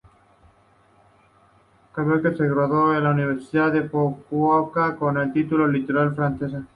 Kobayashi se graduó en la universidad de Fukuoka con un título en literatura francesa.